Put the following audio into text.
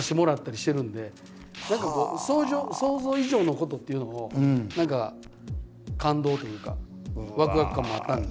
何かこう想像以上のことっていうのを何か感動というかわくわく感もあったんで。